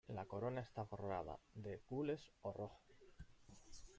La corona está forrada de gules o rojo.